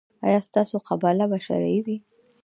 ایا ستاسو قباله به شرعي وي؟